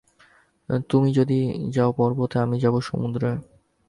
তুমি যদি যাও পর্বতে, আমি যাব সমুদ্রে।